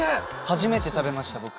初めて食べました僕。